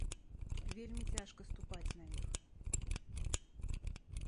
Вельмі цяжка ступаць на іх.